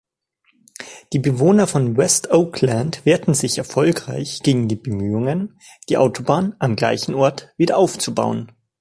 Die Bewohner von West Oakland wehrten sich erfolgreich gegen die Bemühungen, die Autobahn am gleichen Ort wieder aufzubauen.